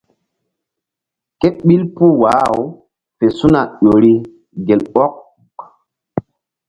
Ke ɓil puh wah-aw fe su̧na ƴo ri gel ɔk.